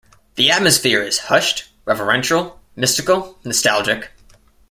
The atmosphere is hushed, reverential, mystical, nostalgic.